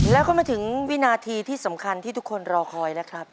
แล้วก็มาถึงวินาทีที่สำคัญที่ทุกคนรอคอยนะครับ